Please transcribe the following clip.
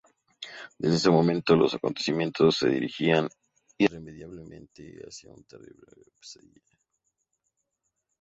Desde ese momento los acontecimientos se dirigirán irremediablemente hacia una terrible pesadilla.